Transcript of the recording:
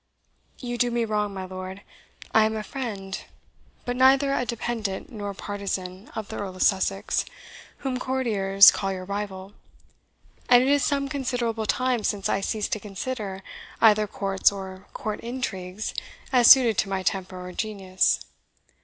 "You do me wrong, my lord. I am a friend, but neither a dependant nor partisan, of the Earl of Sussex, whom courtiers call your rival; and it is some considerable time since I ceased to consider either courts or court intrigues as suited to my temper or genius."